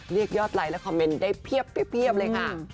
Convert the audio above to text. เรียกยอดไลค์และคอมเมนต์ได้เพียบเลยค่ะ